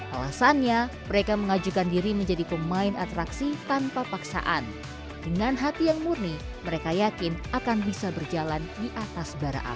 alasannya mereka mengajukan diri menjadi pemain atraksi tanpa paksaan dengan hati yang murni mereka yakin akan bisa berjalan di atas bara api